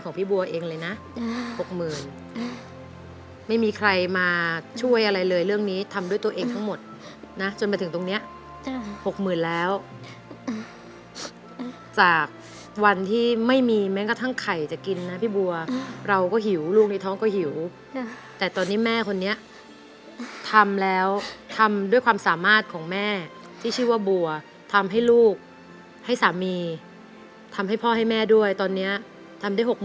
พี่บัวเองเลยนะ๖๐๐๐ไม่มีใครมาช่วยอะไรเลยเรื่องนี้ทำด้วยตัวเองทั้งหมดนะจนมาถึงตรงนี้๖๐๐๐แล้วจากวันที่ไม่มีแม้กระทั่งไข่จะกินนะพี่บัวเราก็หิวลูกในท้องก็หิวแต่ตอนนี้แม่คนนี้ทำแล้วทำด้วยความสามารถของแม่ที่ชื่อว่าบัวทำให้ลูกให้สามีทำให้พ่อให้แม่ด้วยตอนนี้ทำได้๖๐๐๐